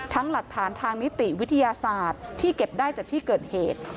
หลักฐานทางนิติวิทยาศาสตร์ที่เก็บได้จากที่เกิดเหตุ